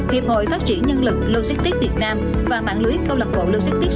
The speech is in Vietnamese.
hiệp hội phát triển nhân lực logistics việt nam và mạng lưới câu lạc bộ logistics